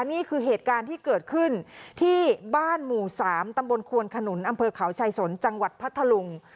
นี่คือเหตุการณ์ที่เกิดขึ้นที่บ้านหมู่๓ตำบลควนขนุนอำเภอเขาชายสนจังหวัดพัทธลุง